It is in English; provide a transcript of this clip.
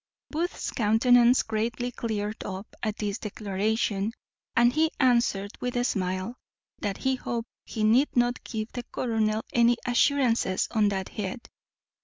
Booth's countenance greatly cleared up at this declaration, and he answered with a smile, that he hoped he need not give the colonel any assurances on that head.